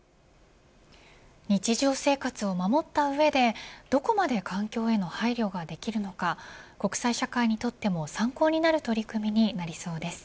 日常生活を守った上でどこまで環境への配慮ができるのか国際社会にとっても参考になる取り組みになりそうです。